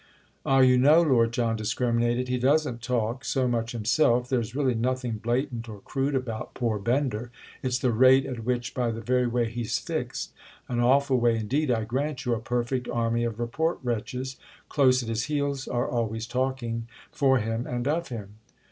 "Ah, you know," Lord John discriminated, "he doesn't 'talk' so much himself—there's really nothing blatant or crude about poor Bender. It's the rate at which—by the very way he's 'fixed': an awful way indeed, I grant you!—a perfect army of reporter wretches, close at his heels, are always talking for him and of him."